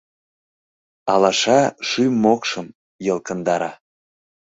Алаша шӱм-мокшым йылкындара.